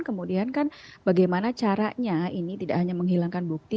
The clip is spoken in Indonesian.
kemudian kan bagaimana caranya ini tidak hanya menghilangkan bukti